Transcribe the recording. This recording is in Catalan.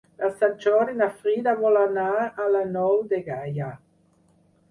Per Sant Jordi na Frida vol anar a la Nou de Gaià.